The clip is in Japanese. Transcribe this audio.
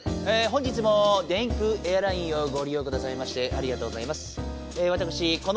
本日も電空エアラインをごり用くださいましてありがとうございます。